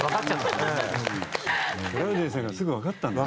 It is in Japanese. トラウデンさんがすぐ分かったんだね。